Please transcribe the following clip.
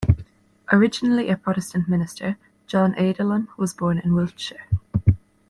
Originally a Protestant minister, John Adelham was born in Wiltshire.